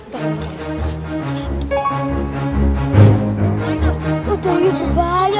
tunggu tunggu tunggu